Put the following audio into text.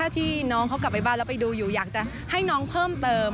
ที่น้องเขากลับไปบ้านอยากจะให้น้องเพิ่มเติม